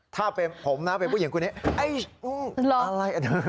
ถ้าผมนะเป็นผู้หญิงคนนี้เอ๊ยอะไรอ่ะ